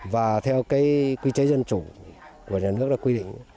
và theo quy chế dân chủ của nhà nước đã quy định